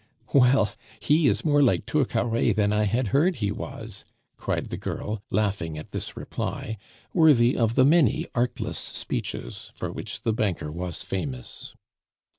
"Well! he is more like Turcaret than I had heard he was!" cried the girl, laughing at this reply, worthy of the many artless speeches for which the banker was famous.